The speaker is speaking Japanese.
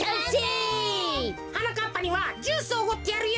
はなかっぱにはジュースをおごってやるよ。